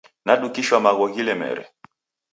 Nadukishwa magho ghilemere.